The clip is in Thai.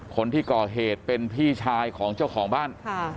คนที่ก่อเหตุเป็นพี่ชายของเจ้าของบ้าน